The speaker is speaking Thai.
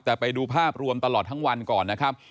แต่ไปดูภาพรวมตลอดทั้งวันก่อนนะครับ